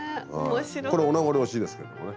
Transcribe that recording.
これお名残惜しいですけどもね。